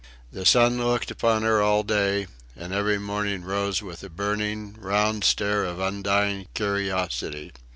The sun looked upon her all day, and every morning rose with a burning, round stare of undying curiosity.